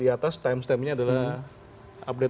di atas timestamp nya adalah update